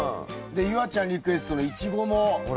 夕空ちゃんリクエストのイチゴもほら。